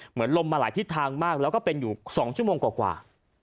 เหมือนลมมาหลายทิศทางมากแล้วก็เป็นอยู่๒ชั่วโมงกว่า